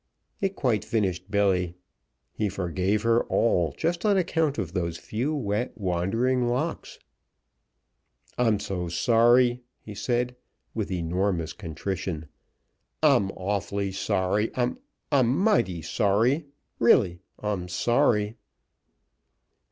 It quite finished Billy. He forgave her all just on account of those few wet, wandering locks. "I'm so sorry!" he said, with enormous contrition. "I'm awfully sorry. I'm I'm mighty sorry. Really, I'm sorry."